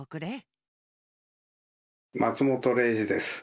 松本零士です。